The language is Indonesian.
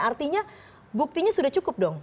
artinya buktinya sudah cukup dong